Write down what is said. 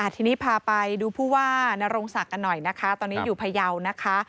ทีนี้พาไปดูผู้ว่านรงศักดิ์กันหน่อยนะคะตอนนี้อยู่พยาวนะคะ